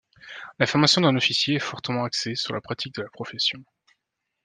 La formation d’un officier est fortement axée sur la pratique de la profession.